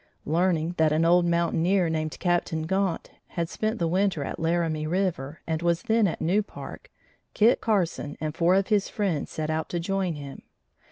Learning that an old mountaineer, named Captain Gaunt, had spent the winter at Laramie River and was then at New Park, Kit Carson and four of his friends set out to join him.